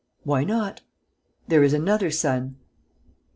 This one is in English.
"Why not?" "There is another son."